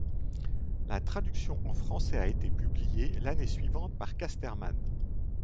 La traduction en français a été publiée l'année suivante par Casterman.